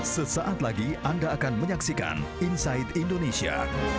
sesaat lagi anda akan menyaksikan inside indonesia